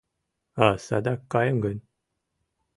— А садак каем гын?